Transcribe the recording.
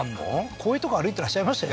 こういうとこ歩いてらっしゃいましたね